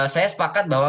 saya sepakat bahwa